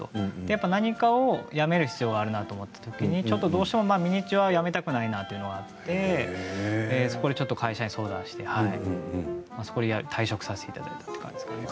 やっぱ何かをやめる必要があるなと思ったときに、どうしてもミニチュアやめたくないなというのがあってそこでちょっと会社に相談してそこで退職させていただいたという感じですかね。